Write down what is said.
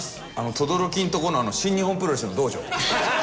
等々力のとこの新日本プロレスの道場。